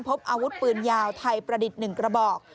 พบอาวุธปืนยาวไทยประดิษฐ์๑กระบอก